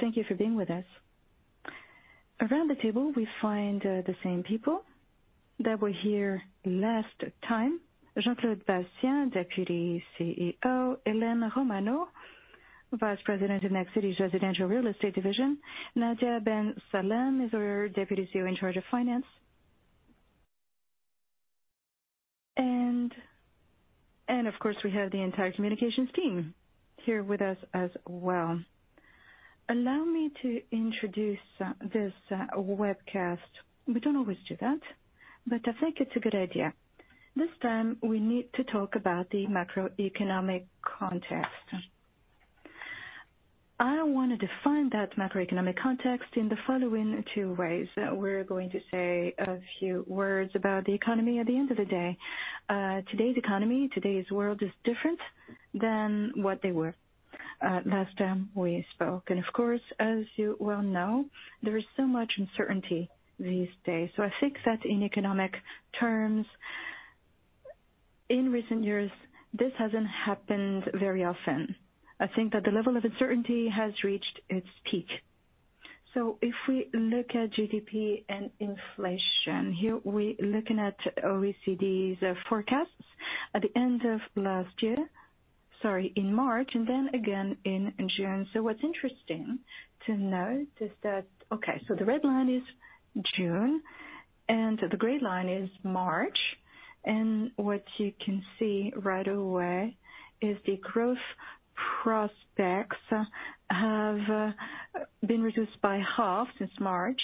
Good evening. Thank you for being with us. Around the table, we find the same people that were here last time. Jean-Claude Bassien, Deputy CEO. Helen Romano, Vice President of Nexity's Residential Real Estate Division. Nadia Bensalem-Nicollin is our Deputy CEO in charge of finance. And of course, we have the entire communications team here with us as well. Allow me to introduce this webcast. We don't always do that, but I think it's a good idea. This time we need to talk about the macroeconomic context. I wanna define that macroeconomic context in the following two ways. We're going to say a few words about the economy at the end of the day. Today's economy, today's world is different than what they were last time we spoke. Of course, as you well know, there is so much uncertainty these days. I think that in economic terms, in recent years, this hasn't happened very often. I think that the level of uncertainty has reached its peak. If we look at GDP and inflation, here we're looking at OECD's forecasts in March, and then again in June. What's interesting to note is that the red line is June, and the gray line is March. What you can see right away is the growth prospects have been reduced by half since March,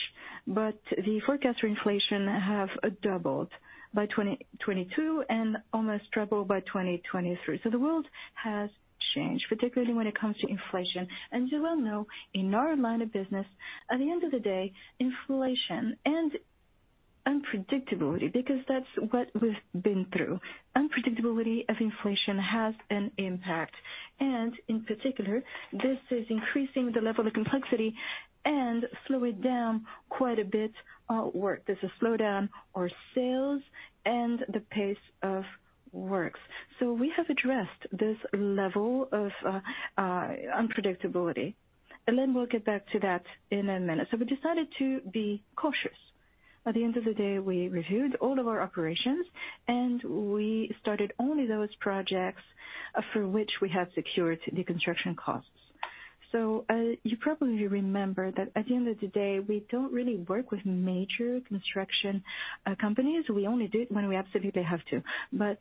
but the forecasts for inflation have doubled by 2022 and almost tripled by 2023. The world has changed, particularly when it comes to inflation. You well know, in our line of business, at the end of the day, inflation and unpredictability, because that's what we've been through. Unpredictability of inflation has an impact. In particular, this is increasing the level of complexity and slowing down quite a bit, work. There's a slowdown on sales and the pace of works. We have addressed this level of unpredictability, and then we'll get back to that in a minute. We decided to be cautious. At the end of the day, we reviewed all of our operations, and we started only those projects for which we have secured the construction costs. You probably remember that at the end of the day, we don't really work with major construction companies. We only do it when we absolutely have to.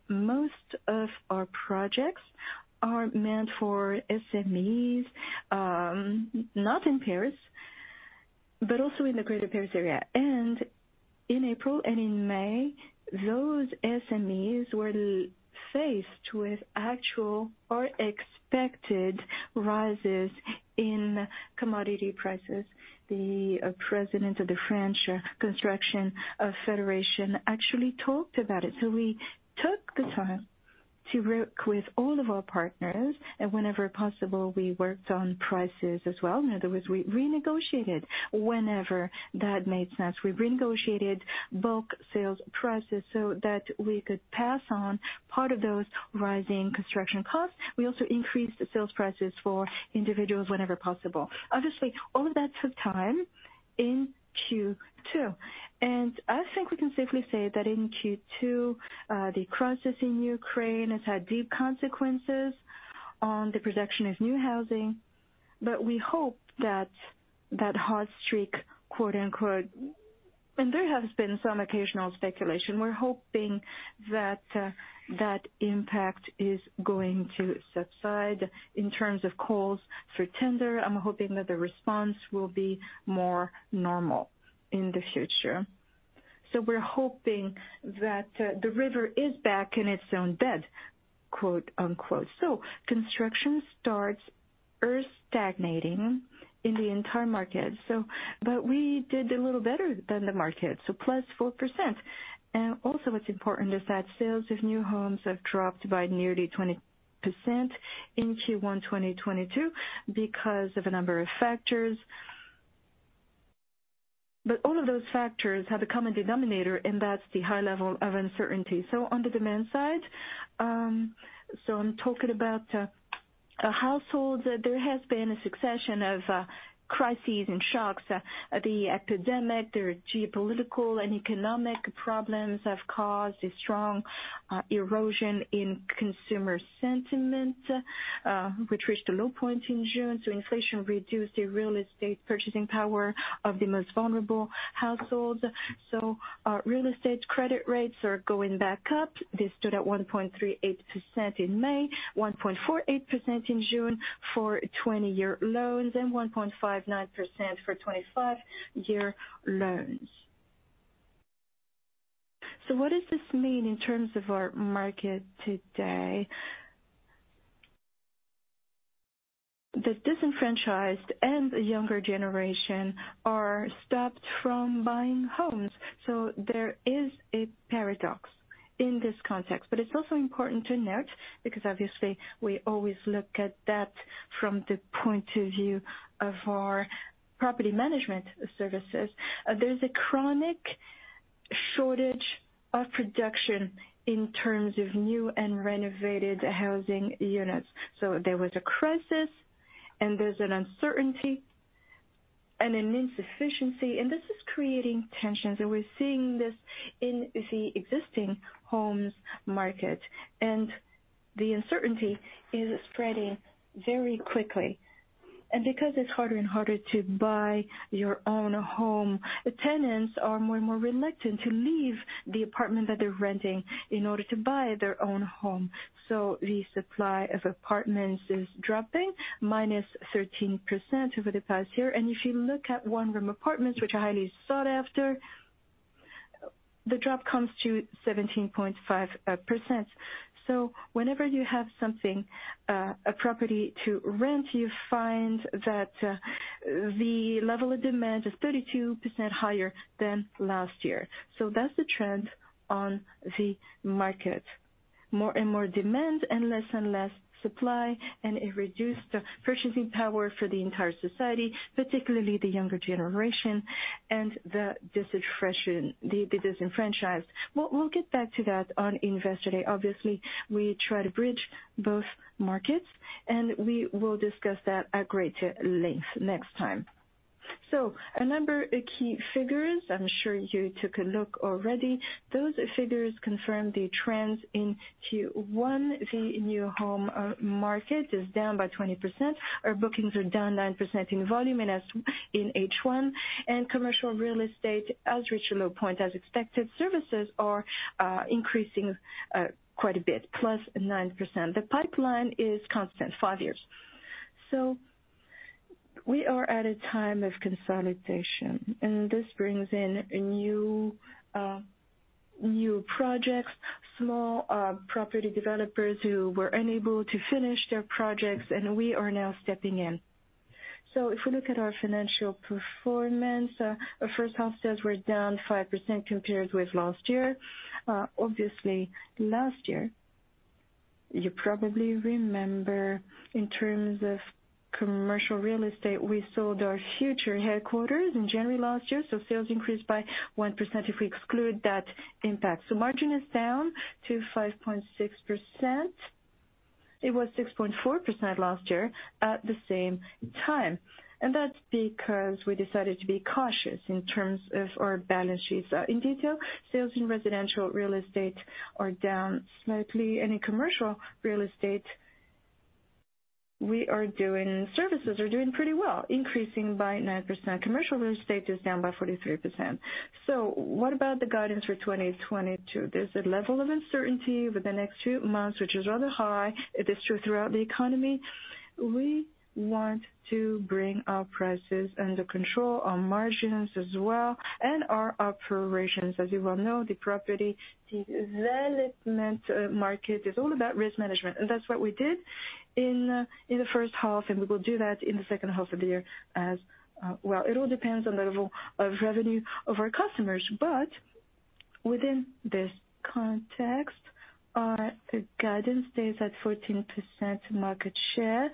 Most of our projects are meant for SMEs, not in Paris, but also in the Greater Paris area. In April and in May, those SMEs were faced with actual or expected rises in commodity prices. The president of the French Construction Federation actually talked about it. We took the time to work with all of our partners, and whenever possible, we worked on prices as well. In other words, we renegotiated whenever that made sense. We renegotiated bulk sales prices so that we could pass on part of those rising construction costs. We also increased the sales prices for individuals whenever possible. Obviously, all of that took time in Q2. I think we can safely say that in Q2, the crisis in Ukraine has had deep consequences on the production of new housing. We hope that that hot streak, quote-unquote, and there has been some occasional speculation. We're hoping that impact is going to subside in terms of calls for tender. I'm hoping that the response will be more normal in the future. We're hoping that the river is back in its own bed, quote-unquote. Construction starts are stagnating in the entire market, but we did a little better than the market, plus 4%. Also what's important is that sales of new homes have dropped by nearly 20% in Q1 2022 because of a number of factors. All of those factors have a common denominator, and that's the high level of uncertainty. On the demand side, I'm talking about households. There has been a succession of crises and shocks. The epidemic and geopolitical and economic problems have caused a strong erosion in consumer sentiment, which reached a low point in June. Inflation reduced the real estate purchasing power of the most vulnerable households. Real estate credit rates are going back up. They stood at 1.38% in May, 1.48% in June for 20-year loans, and 1.59% for 25-year loans. What does this mean in terms of our market today? The disenfranchised and the younger generation are stopped from buying homes. There is a paradox in this context. It's also important to note, because obviously we always look at that from the point of view of our property management services. There's a chronic shortage of production in terms of new and renovated housing units. There was a crisis and there's an uncertainty and an insufficiency, and this is creating tensions. We're seeing this in the existing homes market. The uncertainty is spreading very quickly. Because it's harder and harder to buy your own home, tenants are more and more reluctant to leave the apartment that they're renting in order to buy their own home. The supply of apartments is dropping -13% over the past year. If you look at one-room apartments, which are highly sought after, the drop comes to 17.5%. Whenever you have something a property to rent, you find that the level of demand is 32% higher than last year. That's the trend on the market. More and more demand and less and less supply, and it reduced the purchasing power for the entire society, particularly the younger generation and the disenfranchised. We'll get back to that on Investor Day. Obviously, we try to bridge both markets, and we will discuss that at greater length next time. A number of key figures, I'm sure you took a look already. Those figures confirm the trends in Q1. The new home market is down by 20%. Our bookings are down 9% in volume and in H1. Commercial real estate has reached a low point as expected. Services are increasing quite a bit, plus 9%. The pipeline is constant, five years. We are at a time of consolidation, and this brings in new projects, small property developers who were unable to finish their projects, and we are now stepping in. If we look at our financial performance, our first house sales were down 5% compared with last year. Obviously, last year, you probably remember in terms of commercial real estate, we sold our future headquarters in January last year, so sales increased by 1% if we exclude that impact. Margin is down to 5.6%. It was 6.4% last year at the same time. That's because we decided to be cautious in terms of our balance sheets. In detail, sales in residential real estate are down slightly. In commercial real estate, services are doing pretty well, increasing by 9%. Commercial real estate is down by 43%. What about the guidance for 2022? There's a level of uncertainty over the next 2 months, which is rather high. It is true throughout the economy. We want to bring our prices under control, our margins as well, and our operations. As you well know, the property development market is all about risk management, and that's what we did in the first half, and we will do that in the second half of the year as. Well, it all depends on the level of revenue of our customers. Within this context, our guidance stays at 14% market share.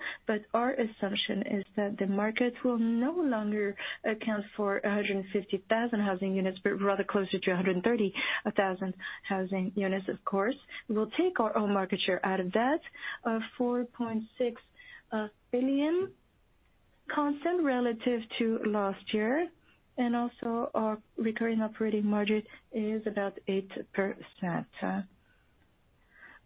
Our assumption is that the market will no longer account for 150,000 housing units, but rather closer to 130,000 housing units, of course. We'll take our own market share out of that, 4.6 billion constant relative to last year. Also our recurring operating margin is about 8%.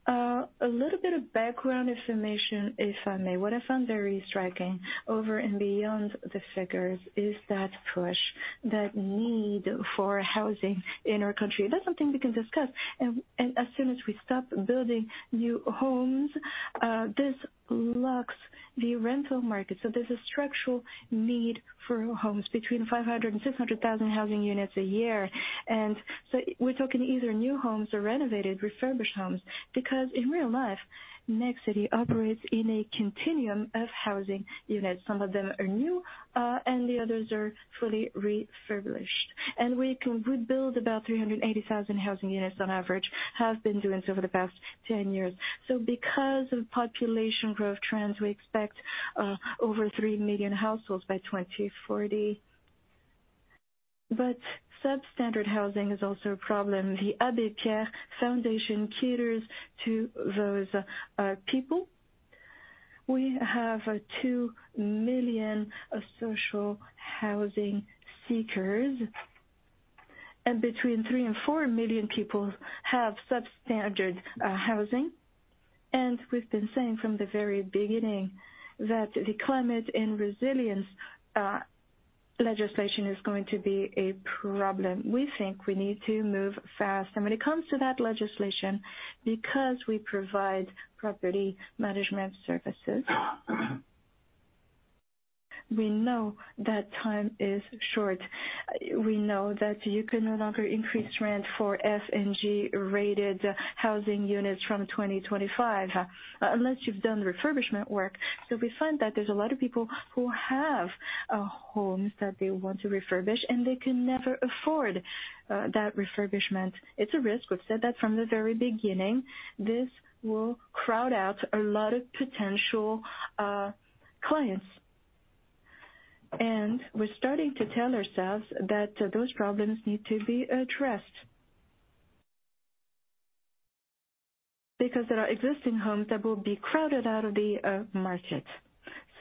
A little bit of background information, if I may. What I found very striking over and beyond the figures is that push, that need for housing in our country. That's something we can discuss. As soon as we stop building new homes, this locks the rental market. There's a structural need for homes between 500 and 600 thousand housing units a year. We're talking either new homes or renovated, refurbished homes, because in real life, Nexity operates in a continuum of housing units. Some of them are new, and the others are fully refurbished. We build about 380,000 housing units on average, have been doing so over the past 10 years. Because of population growth trends, we expect over 3 million households by 2040. Substandard housing is also a problem. The Fondation Abbé Pierre caters to those people. We have 2 million social housing seekers, and between 3 and 4 million people have substandard housing. We've been saying from the very beginning that the Climat et Résilience legislation is going to be a problem. We think we need to move fast. When it comes to that legislation, because we provide property management services, we know that time is short. We know that you can no longer increase rent for F and G-rated housing units from 2025 unless you've done refurbishment work. We find that there's a lot of people who have homes that they want to refurbish, and they can never afford that refurbishment. It's a risk. We've said that from the very beginning. This will crowd out a lot of potential clients. We're starting to tell ourselves that those problems need to be addressed. Because there are existing homes that will be crowded out of the market.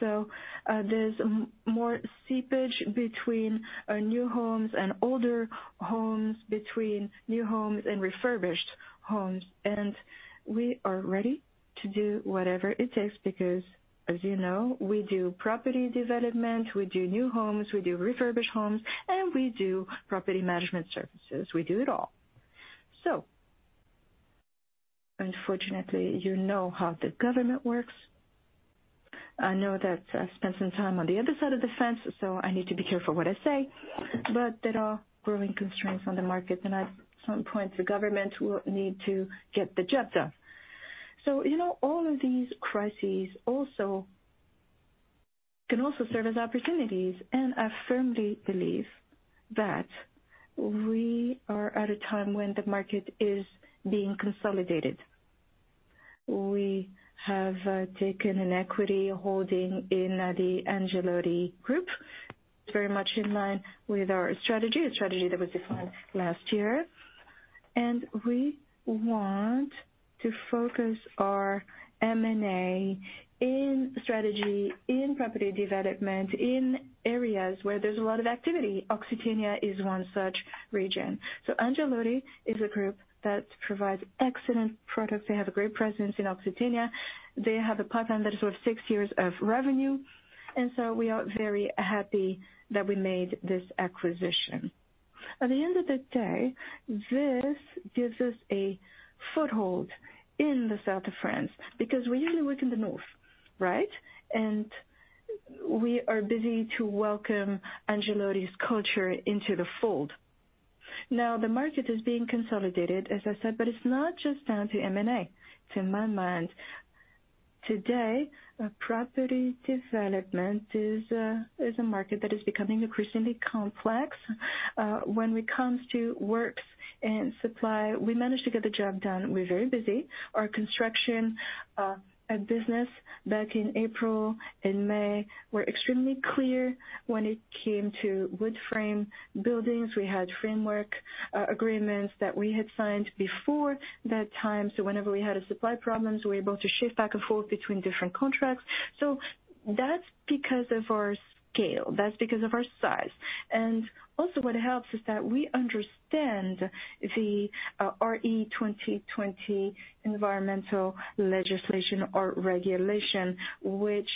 There's more seepage between new homes and older homes, between new homes and refurbished homes, and we are ready to do whatever it takes because as you know, we do property development, we do new homes, we do refurbished homes, and we do property management services. We do it all. Unfortunately, you know how the government works. I know that I've spent some time on the other side of the fence, so I need to be careful what I say, but there are growing constraints on the market, and at some point, the government will need to get the job done. You know, all of these crises also can serve as opportunities, and I firmly believe that we are at a time when the market is being consolidated. We have taken an equity holding in the Angelotti Group. It's very much in line with our strategy, a strategy that was defined last year. We want to focus our M&A in strategy, in property development, in areas where there's a lot of activity. Occitania is one such region. Angelotti is a group that provides excellent products. They have a great presence in Occitania. They have a pipeline that is worth six years of revenue, and so we are very happy that we made this acquisition. At the end of the day, this gives us a foothold in the south of France because we usually work in the north, right? We are proud to welcome Angelotti's culture into the fold. Now, the market is being consolidated, as I said, but it's not just down to M&A. To my mind, today, property development is a market that is becoming increasingly complex. When it comes to works and supply, we managed to get the job done. We're very busy. Our construction business back in April and May were extremely clear when it came to wood-frame buildings. We had framework agreements that we had signed before that time, so whenever we had a supply problems, we're able to shift back and forth between different contracts. That's because of our scale. That's because of our size. Also what helps is that we understand the RE2020 environmental legislation or regulation, which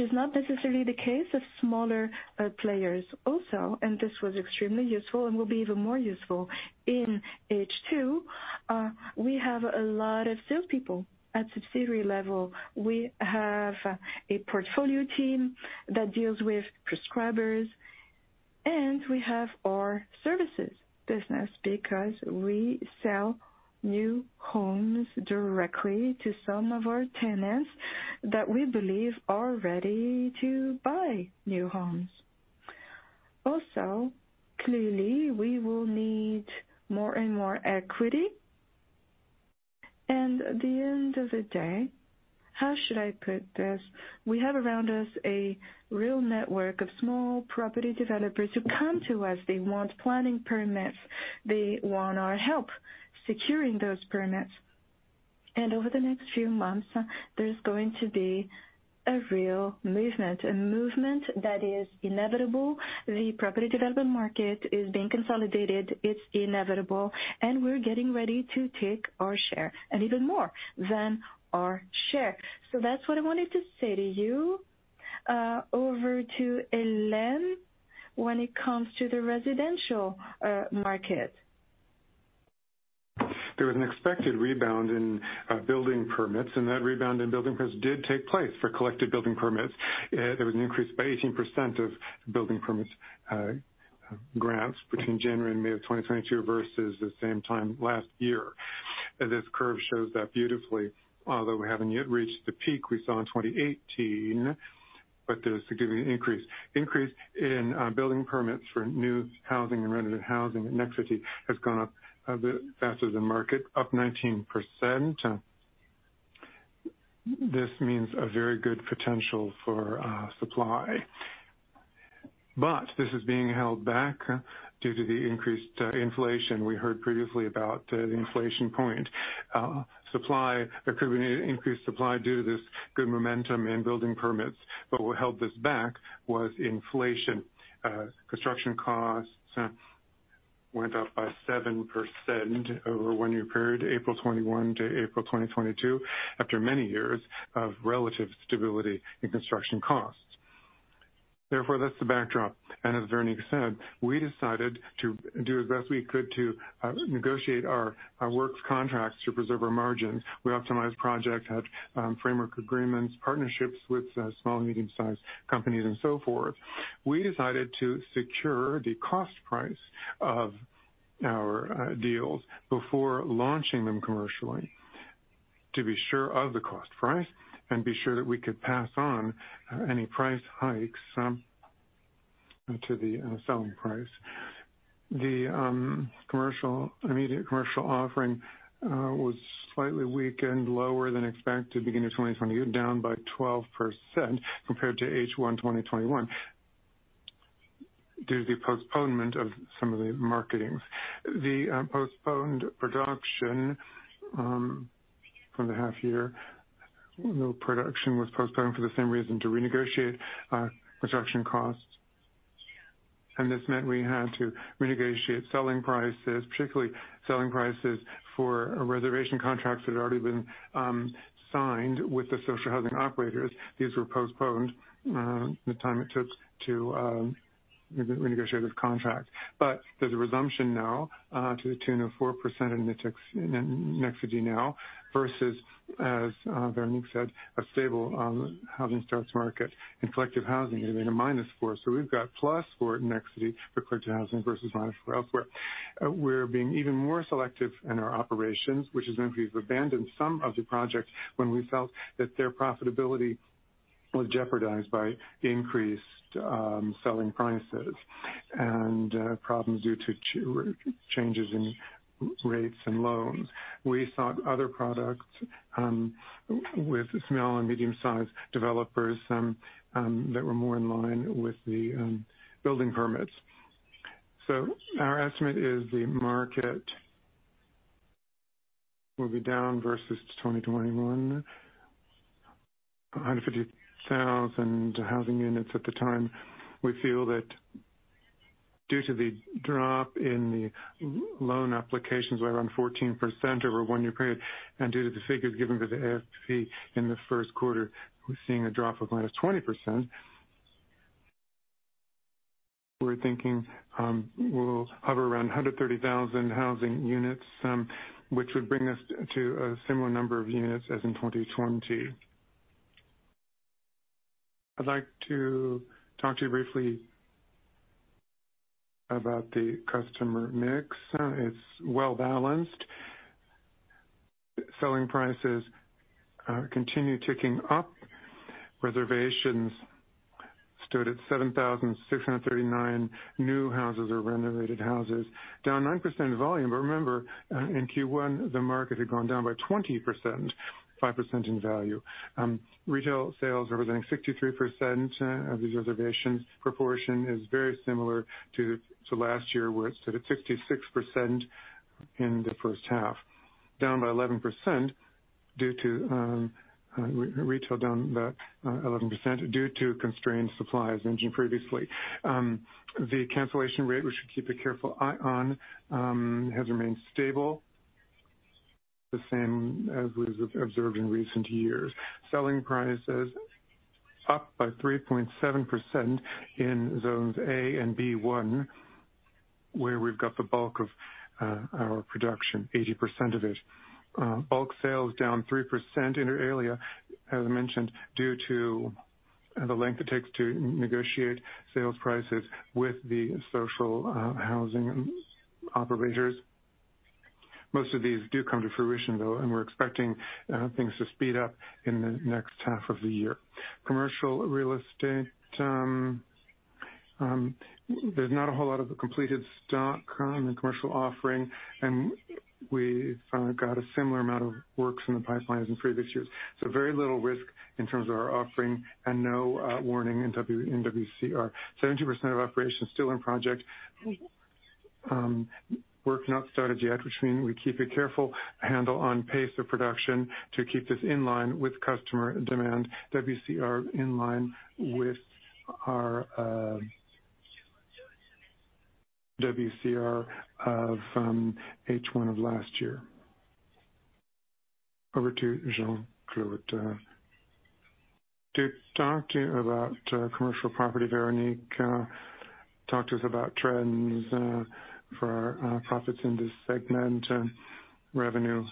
is not necessarily the case of smaller players. Also, this was extremely useful and will be even more useful in H2, we have a lot of salespeople at subsidiary level. We have a portfolio team that deals with prescribers, and we have our services business because we sell new homes directly to some of our tenants that we believe are ready to buy new homes. Also, clearly, we will need more and more equity. At the end of the day, how should I put this? We have around us a real network of small property developers who come to us. They want planning permits. They want our help securing those permits. Over the next few months, there's going to be a real movement, a movement that is inevitable. The property development market is being consolidated. It's inevitable, and we're getting ready to take our share and even more than our share. That's what I wanted to say to you. Over to Helen when it comes to the residential market. There was an expected rebound in building permits, and that rebound in building permits did take place for collected building permits. There was an increase by 18% of building permit grants between January and May of 2022 versus the same time last year. This curve shows that beautifully, although we haven't yet reached the peak we saw in 2018, but there's a given increase. Increase in building permits for new housing and rented housing in Nexity has gone up a bit faster than market, up 19%. This means a very good potential for supply. This is being held back due to the increased inflation we heard previously about, the inflation point. There could be an increased supply due to this good momentum in building permits, but what held this back was inflation. Construction costs went up by 7% over a one-year period, April 2021 to April 2022, after many years of relative stability in construction costs. Therefore, that's the backdrop. As Véronique said, we decided to do as best we could to negotiate our works contracts to preserve our margins. We optimized projects, had framework agreements, partnerships with small, medium-sized companies and so forth. We decided to secure the cost price of our deals before launching them commercially to be sure of the cost price and be sure that we could pass on any price hikes to the selling price. The immediate commercial offering was slightly weakened, lower than expected, beginning of 2020. Down by 12% compared to H1 2021 due to the postponement of some of the marketings. The postponed production from the half year, no production was postponed for the same reason, to renegotiate production costs. This meant we had to renegotiate selling prices, particularly selling prices for reservation contracts that had already been signed with the social housing operators. These were postponed the time it took to renegotiate this contract. There's a resumption now to the tune of 4% in Nexity now, versus, as Véronique said, a stable housing starts market and collective housing has been a -4%. We've got +4% for Nexity for collective housing versus minus 4% elsewhere. We're being even more selective in our operations, which means we've abandoned some of the projects when we felt that their profitability was jeopardized by increased selling prices and problems due to changes in rates and loans. We sought other products with small and medium-sized developers that were more in line with the building permits. Our estimate is the market will be down versus 2021, 150,000 housing units at the time. We feel that due to the drop in the loan applications by around 14% over a one-year period, and due to the figures given to the FFC in the first quarter, we're seeing a drop of -20%. We're thinking we'll hover around 130,000 housing units, which would bring us to a similar number of units as in 2020. I'd like to talk to you briefly about the customer mix. It's well-balanced. Selling prices continue ticking up. Reservations stood at 7,639 new houses or renovated houses, down 9% volume. Remember, in Q1, the market had gone down by 20%, 5% in value. Retail sales representing 63% of these reservations. Proportion is very similar to last year, where it stood at 66% in the first half, down by 11% due to retail down by 11% due to constrained supply, as mentioned previously. The cancellation rate, we should keep a careful eye on, has remained stable, the same as we've observed in recent years. Selling prices up by 3.7% in zones A and B1, where we've got the bulk of our production, 80% of it. Bulk sales down 3% inter alia, as I mentioned, due to the length it takes to negotiate sales prices with the social housing operators. Most of these do come to fruition, though, and we're expecting things to speed up in the next half of the year. Commercial real estate. There's not a whole lot of the completed stock in the commercial offering, and we've got a similar amount of works in the pipelines in previous years. Very little risk in terms of our offering and no worsening in WCR. 70% of operations still in project work not started yet, which means we keep a careful handle on pace of production to keep this in line with customer demand. WCR in line with our WCR of H1 of last year. Over to Jean-Claude Bassien to talk to you about commercial property. Véronique, talk to us about trends for our profits in this segment. Revenue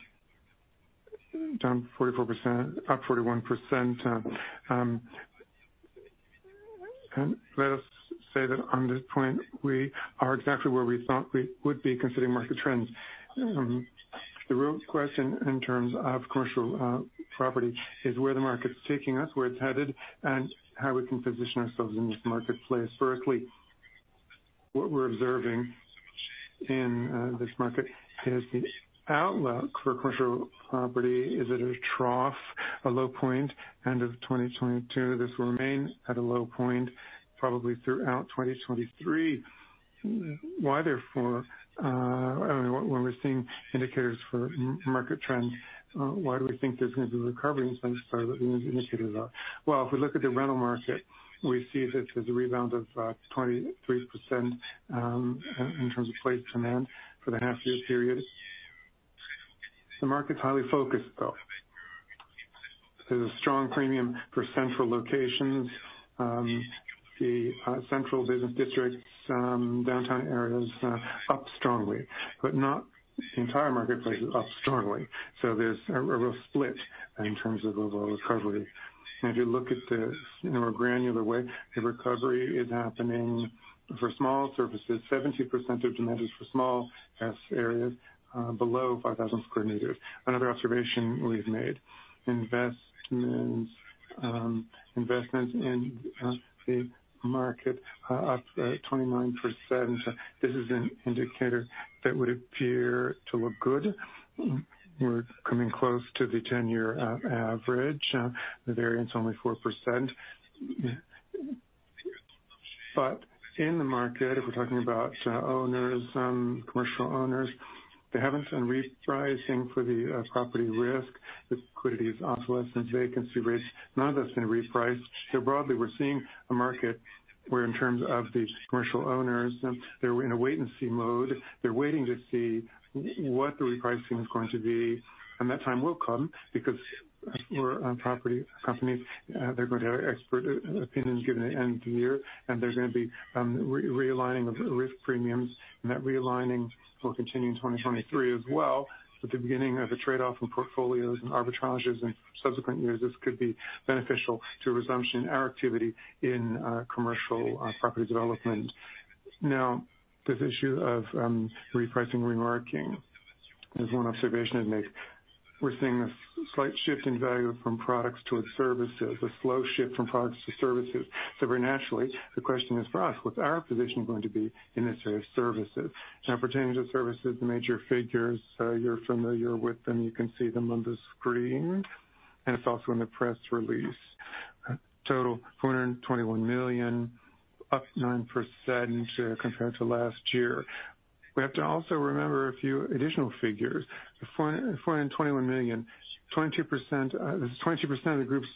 down 44%, up 41%. Let us say that on this point, we are exactly where we thought we would be considering market trends. The real question in terms of commercial property is where the market's taking us, where it's headed, and how we can position ourselves in this marketplace. Firstly, what we're observing in this market is the outlook for commercial property. Is it a trough, a low point? End of 2022, this will remain at a low point, probably throughout 2023. Why, therefore, when we're seeing indicators for market trends, why do we think there's going to be recovery in spite of what the indicators are? Well, if we look at the rental market, we see that there's a rebound of 23% in terms of space demand for the half year period. The market's highly focused, though. There's a strong premium for central locations. The central business districts, downtown areas, up strongly, but not the entire marketplace is up strongly. There's a real split in terms of the recovery. If you look at this in a more granular way, the recovery is happening for small spaces. 70% of demand is for small spaces, below 5,000 square meters. Another observation we've made, investment in the market, up 29%. This is an indicator that would appear to look good. We're coming close to the 10-year average. The variance only 4%. In the market, if we're talking about owners, commercial owners, they haven't been repricing for the property risk. The liquidity is also less than vacancy rates. None of that's been repriced. Broadly, we're seeing a market where in terms of the commercial owners, they're in a wait-and-see mode. They're waiting to see what the repricing is going to be. That time will come because for property companies, they're going to have expert opinions given the end of the year, and there's going to be realigning of risk premiums. That realigning will continue in 2023 as well, with the beginning of a trade-off in portfolios and arbitrages in subsequent years. This could be beneficial to resumption our activity in commercial property development. Now, this issue of repricing, remarketing. There's one observation to make. We're seeing a slight shift in value from products towards services, a slow shift from products to services. Very naturally, the question is for us, what's our position going to be in this area of services? Now, pertaining to services, major figures, you're familiar with them, you can see them on the screen, and it's also in the press release. Total 421 million, up 9% compared to last year. We have to also remember a few additional figures. 421 million, 22%, this is 22% of the group's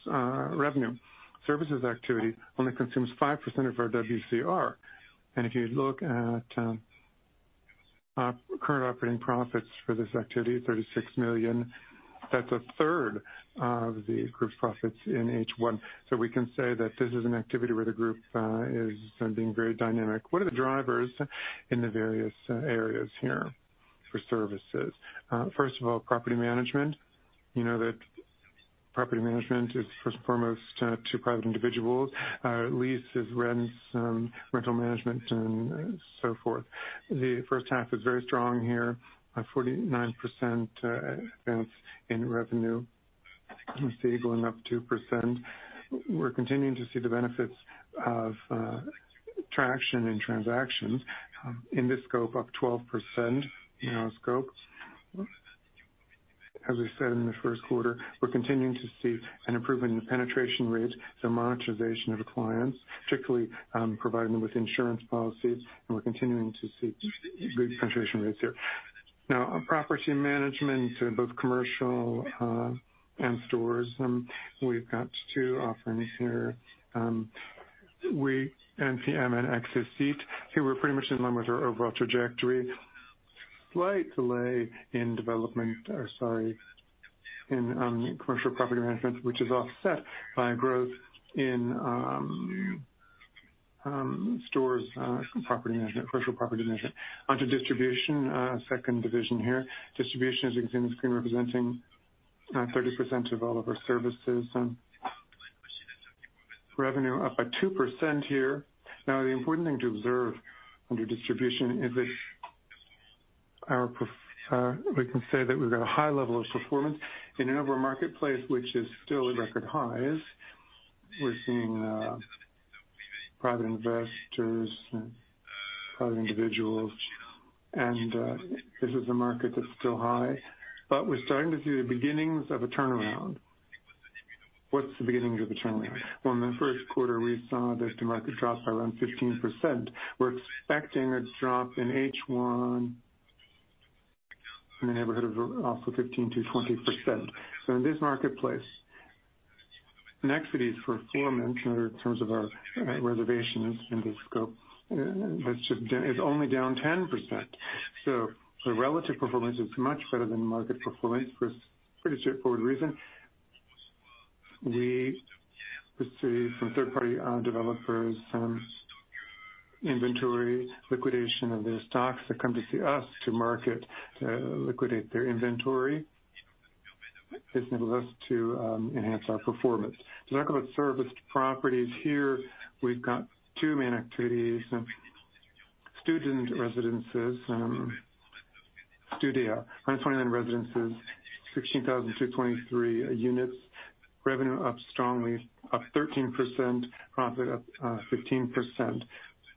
revenue. Services activity only consumes 5% of our WCR. If you look at current operating profits for this activity, 36 million, that's a third of the group's profits in H1. We can say that this is an activity where the group is being very dynamic. What are the drivers in the various areas here for services? First of all, property management. You know that property management is first and foremost to private individuals. Lease is rents, rental management and so forth. The first half is very strong here, 49% advance in revenue. You can see going up 2%. We're continuing to see the benefits of traction in transactions in this scope, up 12% in our scope. As we said in the first quarter, we're continuing to see an improvement in the penetration rates, the monetization of clients, particularly providing them with insurance policies, and we're continuing to see good penetration rates here. Now, on property management in both commercial and stores, we've got two offerings here. We NPM and Accessite, here we're pretty much in line with our overall trajectory. Slight delay in commercial property management, which is offset by growth in stores property management. Onto distribution, second division here. Distribution, as you can see on the screen, representing 30% of all of our services. Revenue up by 2% here. Now, the important thing to observe under distribution is that we can say that we've got a high level of performance in an overall marketplace, which is still at record highs. We're seeing private investors and private individuals, and this is a market that's still high, but we're starting to see the beginnings of a turnaround. What's the beginnings of a turnaround? Well, in the first quarter, we saw the market drop by around 15%. We're expecting a drop in H1 in the neighborhood of up to 15% to 20%. So in this marketplace, Nexity's performance in terms of our reservations in this scope is only down 10%. The relative performance is much better than market performance for a pretty straightforward reason. We receive from third-party developers inventory liquidation of their stocks. They come to see us to market liquidate their inventory. This enables us to enhance our performance. To talk about serviced properties here, we've got two main activities. Student residences, Studéa. 129 residences, 16,223 units. Revenue up strongly, up 13%, profit up 15%.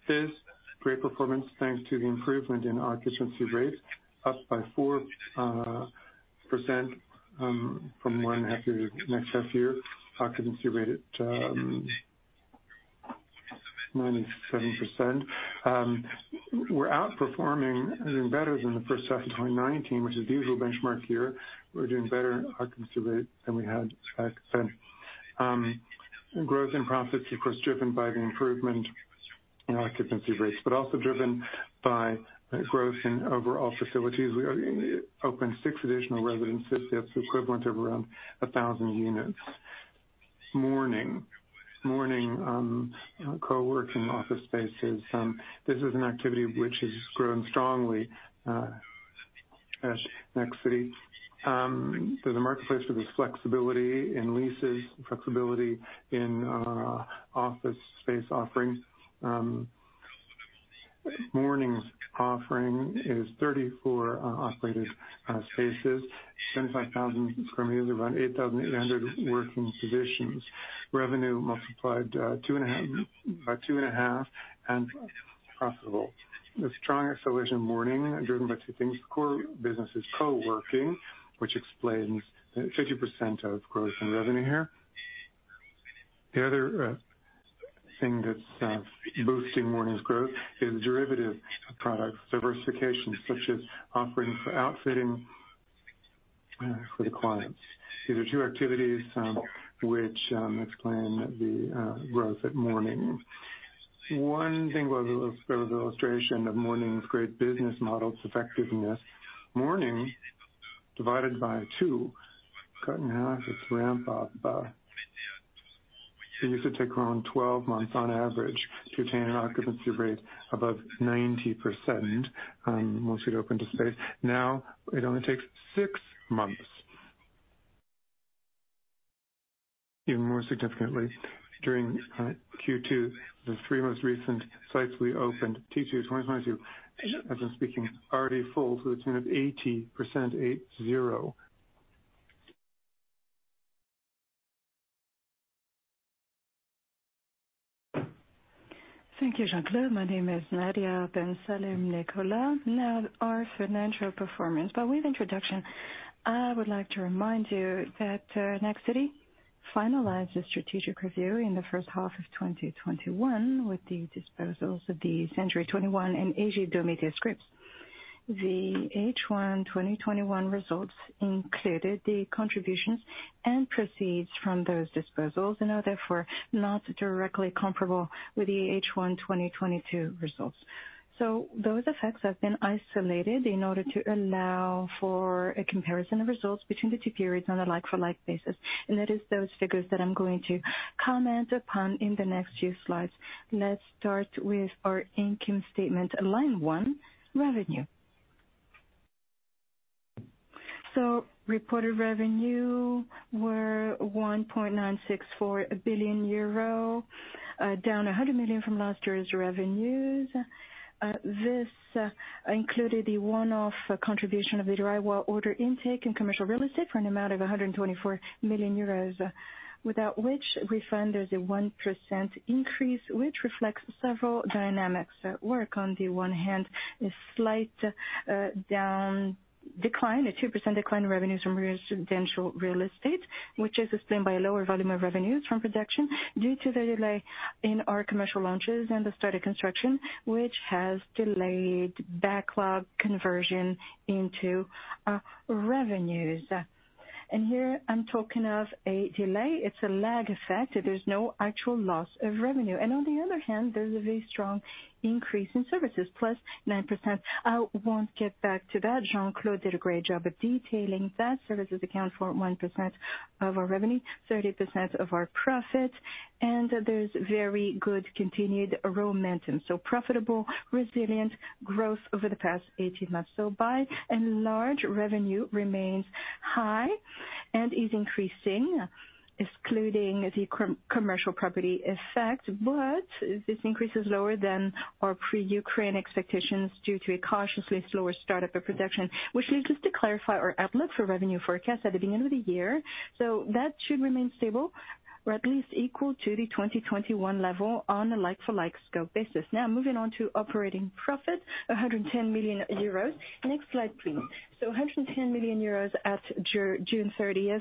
This great performance, thanks to the improvement in our occupancy rate, up by 4%, from one half year to next half year. Occupancy rate at 97%. We're outperforming, doing better than the first half of 2019, which is the usual benchmark year. We're doing better occupancy rate than we had back then. Growth in profits, of course, driven by the improvement in occupancy rates, but also driven by growth in overall facilities. We opened six additional residences. That's equivalent of around 1,000 units. Morning co-working office spaces. This is an activity which has grown strongly at Nexity. There's a marketplace for this flexibility in leases, flexibility in office space offerings. Morning's offering is 34 operators spaces, 25,000 square meters, around 8,800 working positions. Revenue multiplied by 2.5 and profitable. The strong acceleration Morning, driven by two things, core businesses co-working, which explains 50% of growth in revenue here. The other thing that's boosting Morning's growth is derivative products, diversification such as offering for outfitting for the clients. These are two activities which explain the growth at Morning. One thing was, there was an illustration of Morning's great business model's effectiveness. Morning, divided by two, cut in half its ramp up. It used to take around 12 months on average to attain an occupancy rate above 90%, mostly open space. Now it only takes six months. Even more significantly, during Q2, the three most recent sites we opened, Q2 2022, as I'm speaking, already full to the tune of 80%. Thank you, Jean-Claude. My name is Nadia Bensalem-Nicollin. Now our financial performance. But with introduction, I would like to remind you that Nexity finalized its strategic review in the first half of 2021 with the disposals of the Century 21 and the media services. The H1 2021 results included the contributions and proceeds from those disposals and are therefore not directly comparable with the H1 2022 results. Those effects have been isolated in order to allow for a comparison of results between the two periods on a like-for-like basis. It is those figures that I'm going to comment upon in the next few slides. Let's start with our income statement, line one, revenue. Reported revenue were 1.964 billion euro, down 100 million from last year's revenues. This included the one-off contribution of the Reiwa order intake and commercial real estate for an amount of 124 million euros, without which we find there's a 1% increase, which reflects several dynamics at work. On the one hand, a slight decline, a 2% decline in revenues from residential real estate, which is explained by a lower volume of revenues from production due to the delay in our commercial launches and the start of construction, which has delayed backlog conversion into revenues. Here I'm talking of a delay. It's a lag effect. There's no actual loss of revenue. On the other hand, there's a very strong increase in services, plus 9%. I won't get back to that. Jean-Claude did a great job of detailing that. Services account for 1% of our revenue, 30% of our profit, and there's very good continued momentum. Profitable, resilient growth over the past 18 months. By and large, revenue remains high and is increasing, excluding the commercial property effect. This increase is lower than our pre-Ukraine expectations due to a cautiously slower start-up of production, which leads us to clarify our outlook for revenue forecast at the beginning of the year. That should remain stable or at least equal to the 2021 level on a like-for-like scope basis. Now moving on to operating profit, 110 million euros. Next slide, please. 110 million euros at June 30.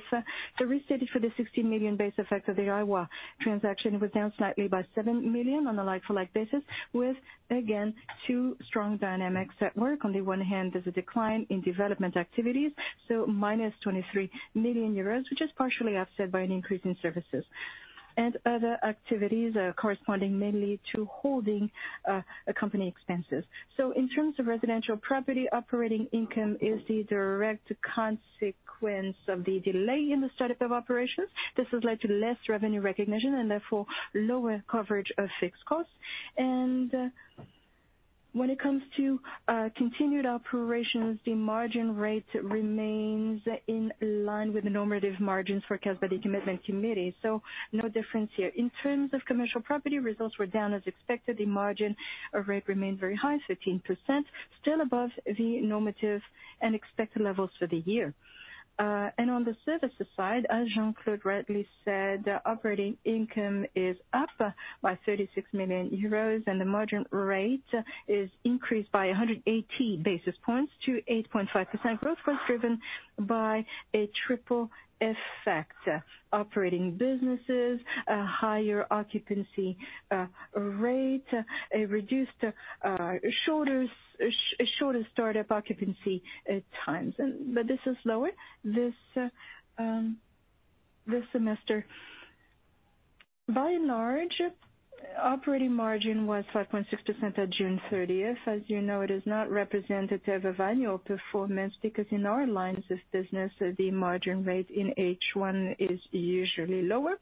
The restated for the 16 million base effect of the Reiwa transaction was down slightly by 7 million on a like-for-like basis, with again, two strong dynamics at work. On the one hand, there's a decline in development activities, so minus 23 million euros, which is partially offset by an increase in services. Other activities corresponding mainly to holding company expenses. In terms of residential property, operating income is the direct consequence of the delay in the start-up of operations. This has led to less revenue recognition and therefore lower coverage of fixed costs. When it comes to continued operations, the margin rate remains in line with the normative margins forecast by the commitment committee, so no difference here. In terms of commercial property, results were down as expected. The margin rate remained very high, 15%, still above the normative and expected levels for the year. On the services side, as Jean-Claude rightly said, operating income is up by 36 million euros and the margin rate is increased by 180 basis points to 8.5%. Growth was driven by a triple effect, operating businesses, a higher occupancy rate, a reduced shorter start-up occupancy times. But this is lower, this semester. By and large, operating margin was 5.6% at June 30. As you know, it is not representative of annual performance because in our lines of business, the margin rate in H1 is usually lower.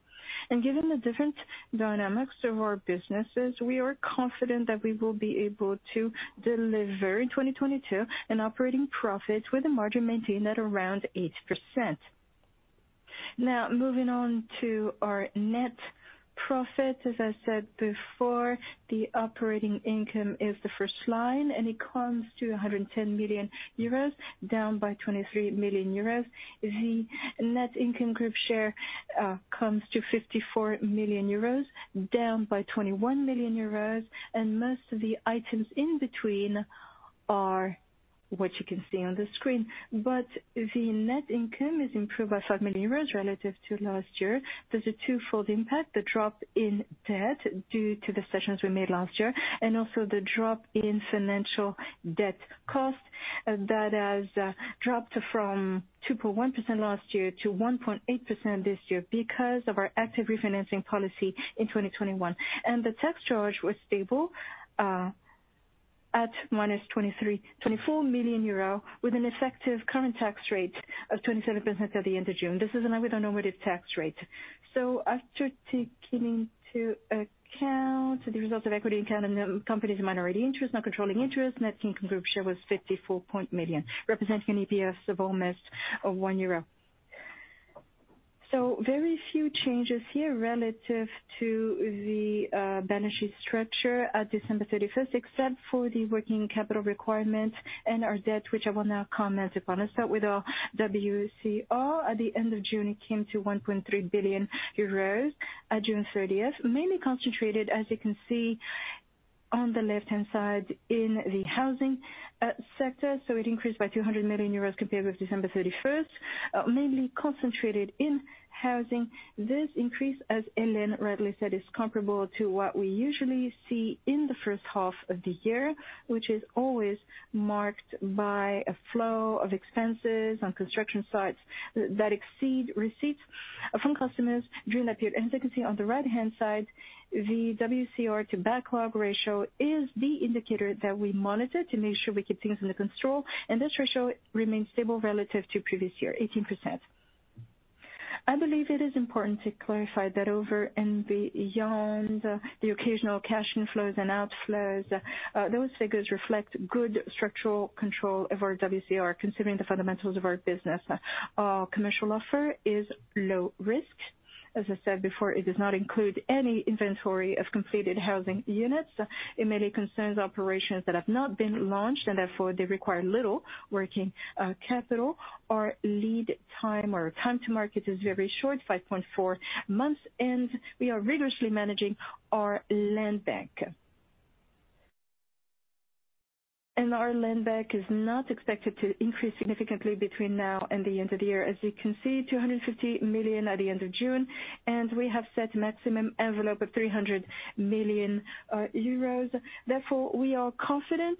Given the different dynamics of our businesses, we are confident that we will be able to deliver in 2022 an operating profit with a margin maintained at around 8%. Now moving on to our net profit. As I said before, the operating income is the first line, and it comes to 110 million euros, down by 23 million euros. The net income group share comes to 54 million euros, down by 21 million euros, and most of the items in between are what you can see on the screen. The net income is improved by 5 million euros relative to last year. There's a twofold impact, the drop in debt due to decisions we made last year, and also the drop in financial debt cost that has dropped from 2.1% last year to 1.8% this year because of our active refinancing policy in 2021. The tax charge was stable at minus 24 million euro, with an effective current tax rate of 27% at the end of June. This is an abnormal tax rate. After taking into account the results of equity account and the company's minority interest, not controlling interest, net income group share was 54 million, representing an EPS of almost 1 euro. Very few changes here relative to the balance sheet structure at December 31, except for the working capital requirement and our debt, which I will now comment upon. Let's start with our WCR. At the end of June, it came to 1.3 billion euros at June 30, mainly concentrated, as you can see on the left-hand side in the housing sector. It increased by 200 million euros compared with December 31, mainly concentrated in housing. This increase, as Helen rightly said, is comparable to what we usually see in the first half of the year, which is always marked by a flow of expenses on construction sites that exceed receipts from customers during that period. As you can see on the right-hand side, the WCR to backlog ratio is the indicator that we monitor to make sure we keep things under control, and this ratio remains stable relative to previous year, 18%. I believe it is important to clarify that over and beyond the occasional cash inflows and outflows, those figures reflect good structural control of our WCR, considering the fundamentals of our business. Our commercial offer is low risk. As I said before, it does not include any inventory of completed housing units. It mainly concerns operations that have not been launched, and therefore, they require little working capital. Our lead time or time to market is very short, 5.4 months, and we are rigorously managing our land bank. Our land bank is not expected to increase significantly between now and the end of the year. As you can see, 250 million at the end of June, and we have set maximum envelope of 300 million euros. Therefore, we are confident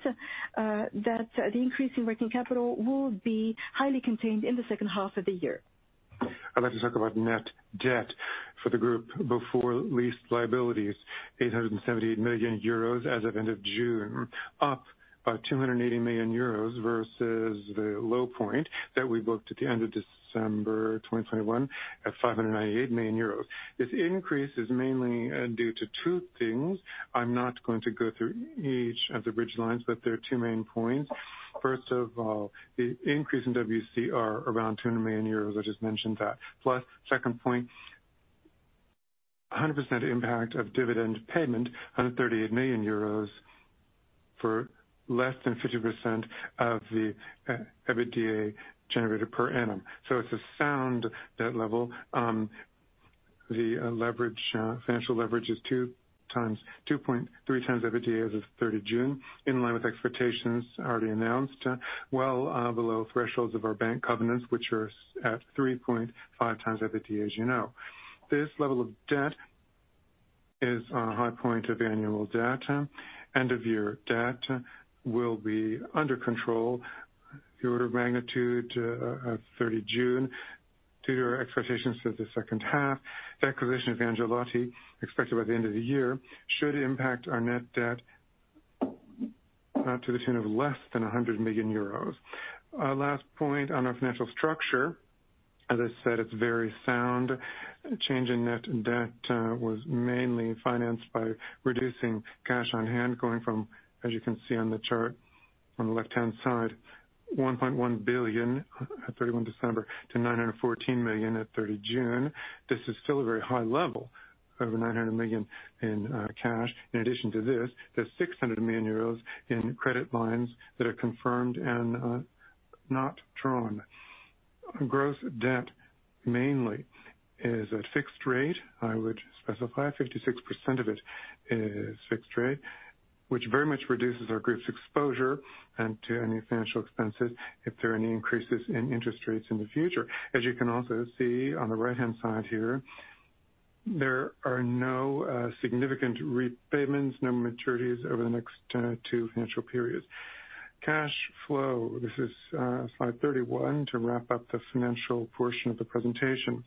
that the increase in working capital will be highly contained in the H2 of the year. I'd like to talk about net debt for the group before leased liabilities, 878 million euros as of end of June, up by 280 million euros versus the low point that we booked at the end of December 2021 at 598 million euros. This increase is mainly due to two things. I'm not going to go through each of the bridge lines, but there are two main points. First of all, the increase in WCR around 200 million euros, I just mentioned that. Plus, second point, a 100% impact of dividend payment, 138 million euros for less than 50% of the EBITDA generated per annum. It's a sound debt level. The financial leverage is 2.3x EBITDA as of third of June, in line with expectations already announced, well, below thresholds of our bank covenants, which are at 3.5x EBITDA, as you know. This level of debt is on a high point of annual data. End-of-year debt will be under control, the order of magnitude of 30 June, due to our expectations for the second half. Acquisition of Angelotti, expected by the end of the year, should impact our net debt to the tune of less than 100 million euros. Last point on our financial structure, as I said, it's very sound. Change in net debt was mainly financed by reducing cash on hand, going from, as you can see on the chart on the left-hand side, 1.1 billion at 31 December to 914 million at 30 June. This is still a very high level, over 900 million in cash. In addition to this, there's 600 million euros in credit lines that are confirmed and not drawn. Gross debt mainly is at fixed rate. I would specify 56% of it is fixed rate, which very much reduces our group's exposure and to any financial expenses if there are any increases in interest rates in the future. As you can also see on the right-hand side here, there are no significant repayments, no maturities over the next two financial periods. Cash flow, this is slide 31 to wrap up the financial portion of the presentation.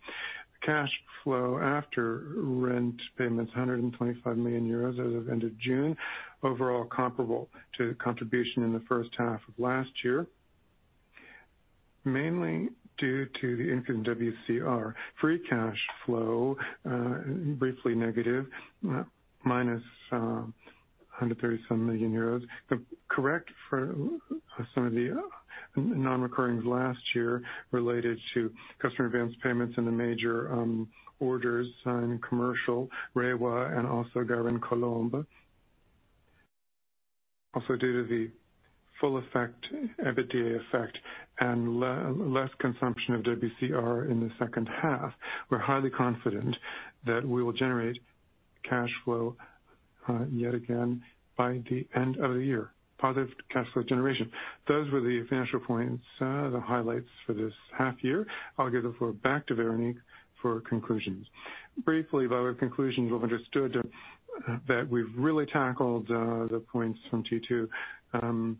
Cash flow after rent payments, 125 million euros as of end of June. Overall comparable to contribution in the first half of last year, mainly due to the increase in WCR. Free cash flow, briefly negative, minus 130-some million euros. The correction for some of the non-recurring last year related to customer advanced payments in the major orders signed in commercial, Reiwa and also La Garenne-Colombes. Also, due to the full effect, EBITDA effect and less consumption of WCR in the second half, we're highly confident that we will generate cash flow, yet again by the end of the year, positive cash flow generation. Those were the financial points, the highlights for this half year. I'll give the floor back to Véronique for conclusions. Briefly, by way of conclusions, we've understood that we've really tackled the points from T2.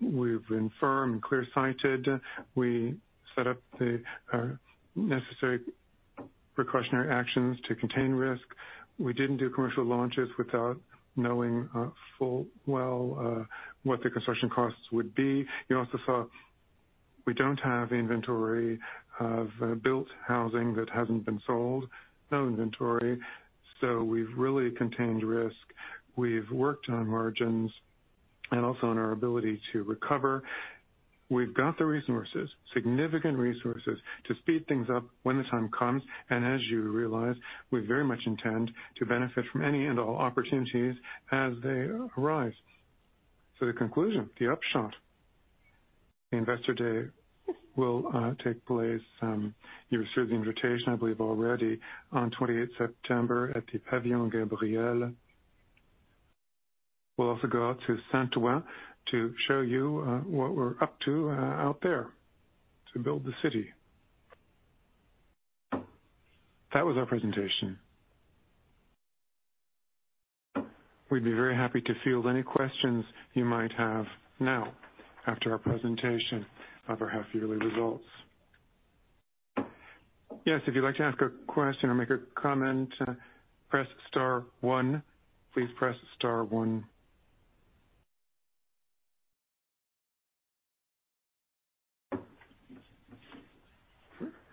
We've been firm, clear-sighted. We set up the necessary precautionary actions to contain risk. We didn't do commercial launches without knowing full well what the construction costs would be. You also saw we don't have inventory of built housing that hasn't been sold, no inventory. We've really contained risk. We've worked on margins and also on our ability to recover. We've got the resources, significant resources to speed things up when the time comes. As you realize, we very much intend to benefit from any and all opportunities as they arise. The conclusion, the upshot, the Investor Day will take place. You received the invitation, I believe, already on 28th September at the Pavillon Gabriel. We'll also go out to Saint-Ouen to show you what we're up to out there to build the city. That was our presentation. We'd be very happy to field any questions you might have now after our presentation of our half-yearly results. Yes. If you'd like to ask a question or make a comment, press star one. Please press star one.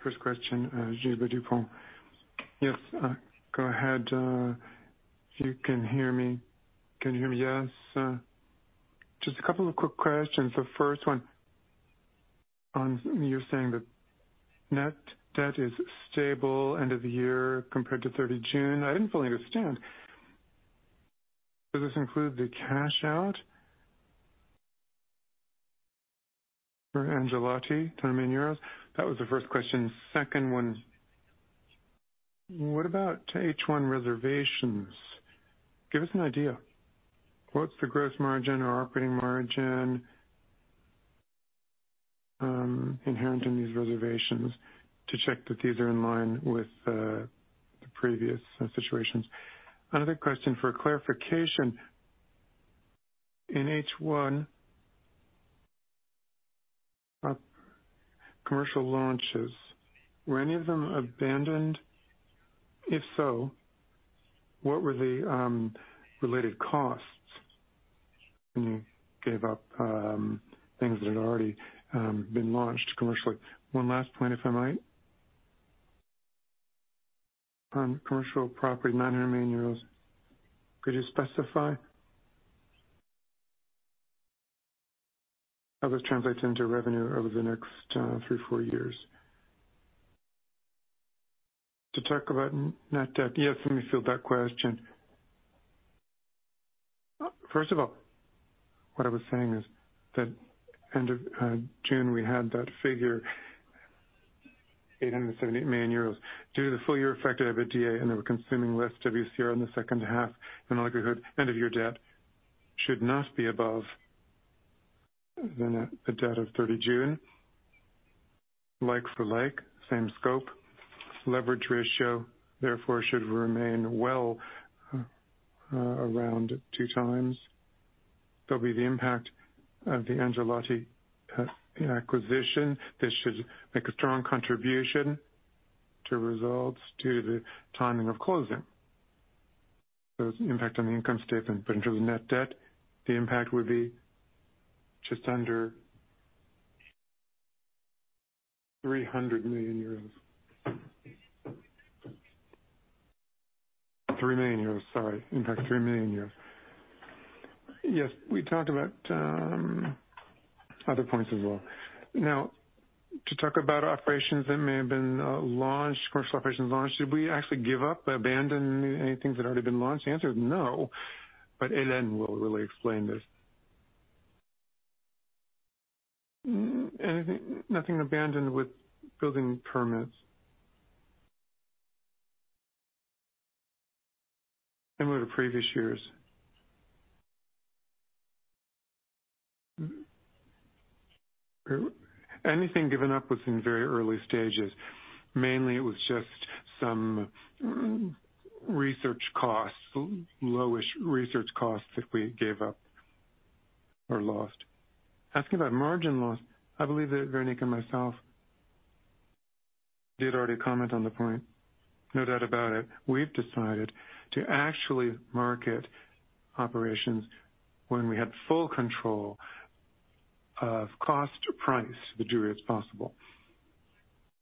First question, Gilbert Dupont. Yes, go ahead, if you can hear me. Can you hear me? Yes. Just a couple of quick questions. The first one on, you're saying that net debt is stable end of the year compared to 30 June. I didn't fully understand. Does this include the cash out for Angelotti, EUR 20 million? That was the first question. Second one. What about H1 reservations? Give us an idea. What's the gross margin or operating margin inherent in these reservations to check that these are in line with the previous situations? Another question for clarification. In H1, commercial launches, were any of them abandoned? If so, what were the related costs when you gave up things that had already been launched commercially? One last point, if I might. On commercial property, 900 million euros. Could you specify how this translates into revenue over the next three to four years? To talk about net debt. Yes, let me field that question. First of all, what I was saying is that end of June, we had that figure, 878 million euros, due to the full year effect of EBITDA, and they were consuming less WCR in the second half. In all likelihood, end of year debt should not be above the net debt of 30 June. Like for like, same scope. Leverage ratio, therefore, should remain well around 2x. There'll be the impact of the Angelotti acquisition. This should make a strong contribution to results due to the timing of closing. Impact on the income statement. In terms of net debt, the impact would be just under 300 million euros. 3 million euros, sorry. Impact, 3 million euros. Yes, we talked about other points as well. Now, to talk about operations that may have been launched, commercial operations launched. Did we actually give up, abandon anything that had already been launched? The answer is no, but Helen will really explain this. Nothing abandoned with building permits. Similar to previous years. Anything given up was in very early stages. Mainly, it was just some research costs, low-ish research costs that we gave up or lost. Asking about margin loss, I believe that Véronique and myself did already comment on the point, no doubt about it. We've decided to actually market operations when we had full control of cost price to the buyer as possible.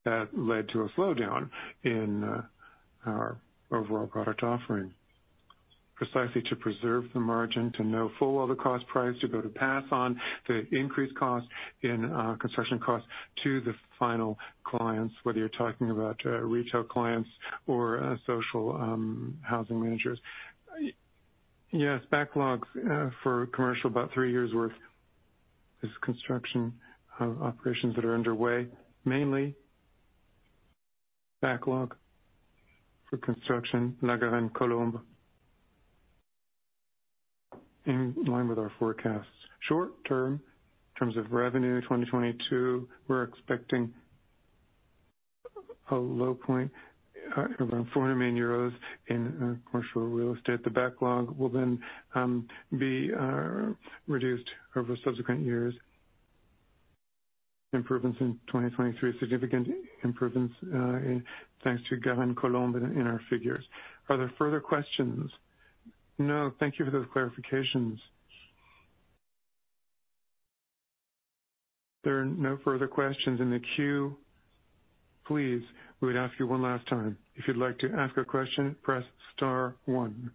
That led to a slowdown in our overall product offering. Precisely to preserve the margin, to know full well the cost price, to be able to pass on the increased cost in construction costs to the final clients, whether you're talking about retail clients or social housing managers. Yes, backlogs for commercial, about three years' worth of construction of operations that are underway, mainly backlog for construction in La Garenne-Colombes in line with our forecasts. Short-term, in terms of revenue 2022, we're expecting a low point around 400 million euros in commercial real estate. The backlog will then be reduced over subsequent years. Improvements in 2023, significant improvements, thanks to La Garenne-Colombes in our figures. Are there further questions? No, thank you for those clarifications. There are no further questions in the queue. Please, we would ask you one last time, if you'd like to ask a question, press star one.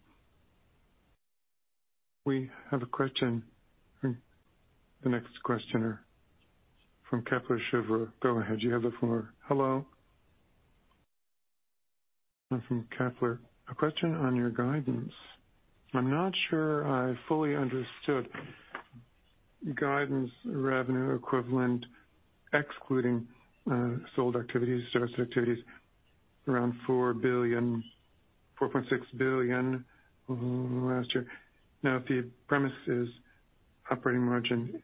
We have a question. The next questioner from Kepler Cheuvreux. Go ahead. You have the floor. Hello. I'm from Kepler. A question on your guidance. I'm not sure I fully understood guidance revenue equivalent, excluding sold activities, service activities around 4 billion, 4.6 billion last year. Now, if the premise is operating margin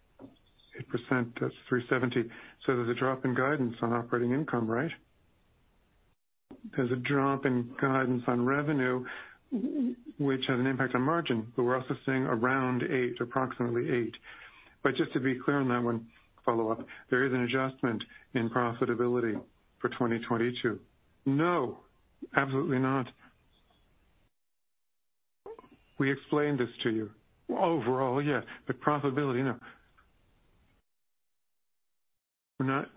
8%, that's 370. There's a drop in guidance on operating income, right? There's a drop in guidance on revenue, which has an impact on margin, but we're also seeing around 8%, approximately 8%. Just to be clear on that one follow-up, there is an adjustment in profitability for 2022. No, absolutely not. We explained this to you. Overall, yes, but profitability, no. We're not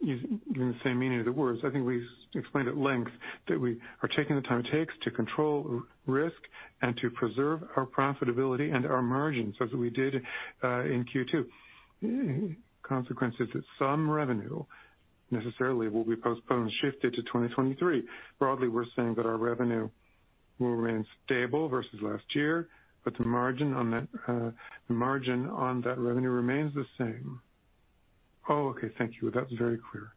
using the same meaning of the words. I think we explained at length that we are taking the time it takes to control risk and to preserve our profitability and our margins, as we did in Q2. Consequences that some revenue necessarily will be postponed, shifted to 2023. Broadly, we're saying that our revenue will remain stable versus last year, but the margin on that revenue remains the same. Oh, okay. Thank you. That's very clear.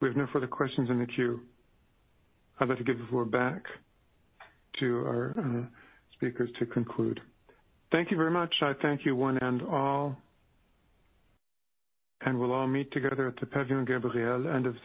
We have no further questions in the queue. I'd like to give the floor back to our speakers to conclude. Thank you very much. I thank you one and all. We'll all meet together at the Pavillon Gabriel end of September.